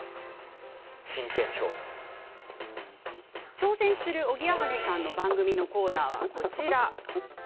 挑戦するおぎやはぎさんの番組のコーナーは、こちら。